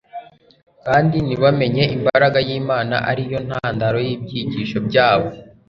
kandi ntibamenye imbaraga y'Imana ari yo ntandaro y'ibyigisho byabo